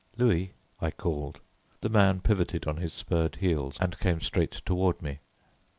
"Louis," I called. The man pivoted on his spurred heels and came straight toward me.